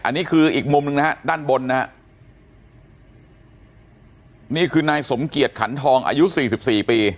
อันนี้คืออีกมุมหนึ่งนะฮะด้านบนนะฮะนี่คือนายสมเกียจขันทองอายุสี่สิบสี่ปี